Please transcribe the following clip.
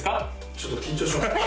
ちょっと緊張しますね